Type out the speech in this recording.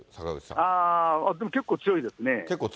ああ、でも結構強いですね。